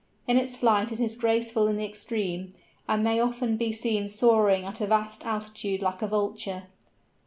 In its flight it is graceful in the extreme, and it may often be seen soaring at a vast altitude like a Vulture.